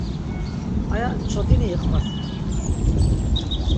Aya çodini iqvasinon.